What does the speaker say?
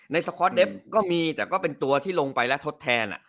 สคอตเดฟก็มีแต่ก็เป็นตัวที่ลงไปแล้วทดแทน